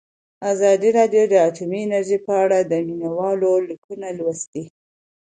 ازادي راډیو د اټومي انرژي په اړه د مینه والو لیکونه لوستي.